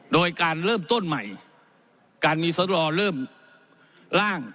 โดยการเริ่มต้นใหม่การมีสรอเริ่มล่าง